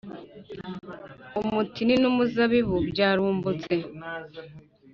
umutini n’umuzabibu byarumbutse.